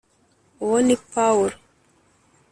uwo ni paul!